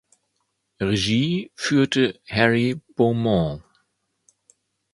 Regie führte Harry Beaumont.